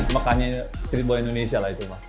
meccanya streetball indonesia lah itu pak